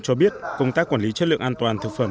cho biết công tác quản lý chất lượng an toàn thực phẩm